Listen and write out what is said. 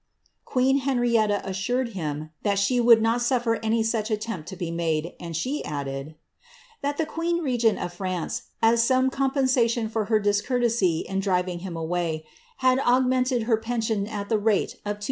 "' Queen Henrietta assured him that would not sufler any such attempt to be made ; and she added, ^^ that queen regent of France, as some compensation for her discourtesy in ing him away, had augmented her pension at tlie rate of 200()f.